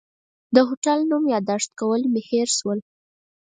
د هوټل نوم یاداښت کول مې هېر شول.